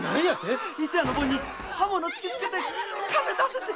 伊勢屋のボンに刃物突きつけて「金出せっ」て！